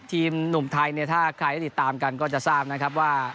ทีมหนุ่มไทยเนี่ยถ้าใครได้ติดตามกันก็จะทราบนะครับว่า